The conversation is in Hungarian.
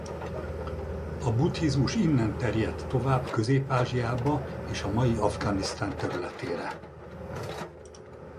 A buddhizmus innen terjedt tovább Közép-Ázsiába és a mai Afganisztán területére.